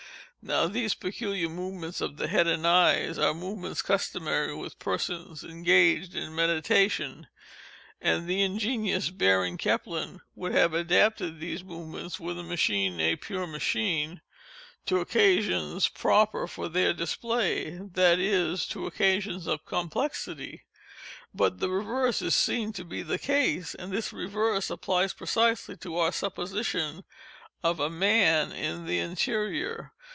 Now these peculiar movements of the head and eyes are movements customary with persons engaged in meditation, and the ingenious Baron Kempelen would have adapted these movements (were the machine a pure machine) to occasions proper for their display—that is, to occasions of complexity. But the reverse is seen to be the case, and this reverse applies precisely to our supposition of a man in the interior.